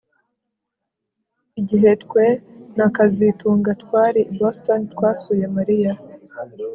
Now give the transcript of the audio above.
Igihe twe na kazitunga twari i Boston twasuye Mariya